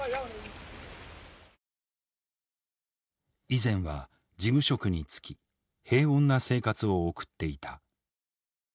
以前は事務職につき平穏な生活を送っていた。